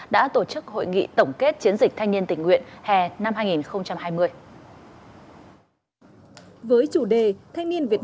đã tổ chức hội nghị tổng kết chiến dịch thanh niên tình nguyện hè năm hai nghìn hai mươi với chủ đề thanh niên việt